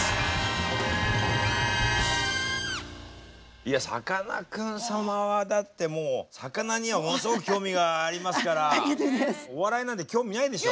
いやさかなクン様はだってもう魚にはものすごく興味がありますからお笑いなんて興味ないでしょ？